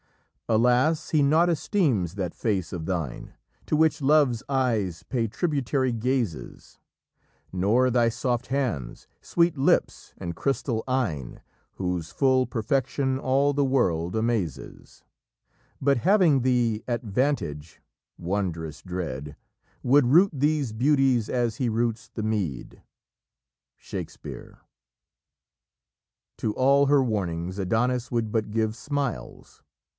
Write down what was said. Alas, he naught esteems that face of thine, To which love's eyes pay tributary gazes; Nor thy soft hands, sweet lips, and crystal eyne, Whose full perfection all the world amazes; But having thee at vantage wondrous dread! Would root these beauties as he roots the mead." Shakespeare. To all her warnings, Adonis would but give smiles.